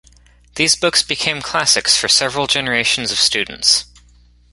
These books "became classics for several generations of students".